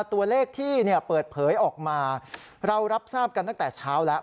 ตัวเลขที่เปิดเผยออกมาเรารับทราบกันตั้งแต่เช้าแล้ว